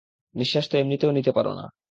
নিঃশ্বাস তো এমনিতেও নিতে পারো না।